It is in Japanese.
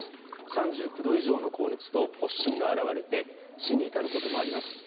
３９度以上の高熱と発疹が現れて死に至ることもあります。